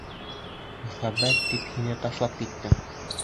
Мөхәббәт тип һине ташлап киттем...